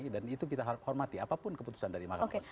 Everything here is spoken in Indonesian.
dan itu kita hormati apapun keputusan dari mahkamah konstitusi